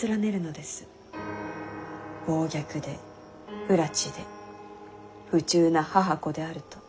暴虐で不埒で不忠な母子であると。